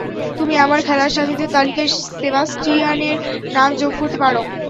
তুমি আমার খেলার সাথীদের তালিকায় সেবাস্টিয়ানের নাম যোগ করতে পারো।